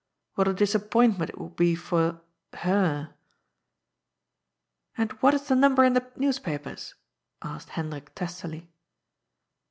What a disappointment it would be for — her." " And what is the number in the newspapers ?" asked Hendrik testily.